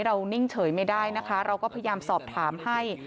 นิ่งเฉยไม่ได้นะคะเราก็พยายามสอบถามให้